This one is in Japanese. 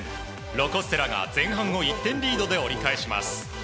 ロコ・ステラが前半を１点リードで折り返します。